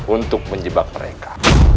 untuk menjebak mereka